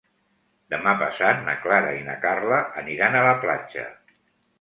Demà passat na Clara i na Carla aniran a la platja.